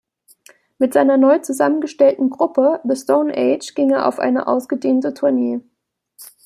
Mit seiner neu zusammengestellten Gruppe "The Stone Age" ging er auf eine ausgedehnte Tournee.